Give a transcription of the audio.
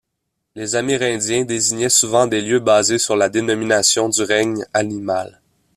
Les amérindiens désignaient souvent des lieux basés sur la dénomination du règne animal.